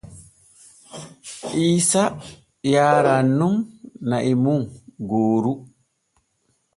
Iisa yaaran nun na’i mum gooru.